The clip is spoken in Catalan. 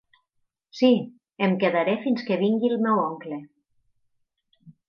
Sí, em quedaré fins que vingui el meu oncle.